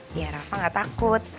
ya rafa gak takut